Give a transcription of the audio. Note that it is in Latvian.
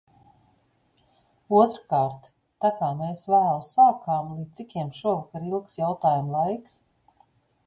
Otrkārt, tā kā mēs vēlu sākām, līdz cikiem šovakar ilgs jautājumu laiks?